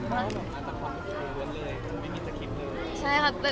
อาจจะความสูงเว้นเลย